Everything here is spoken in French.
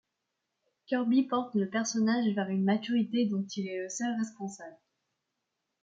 Kirby porte le personnage vers une maturité dont il est le seul responsable.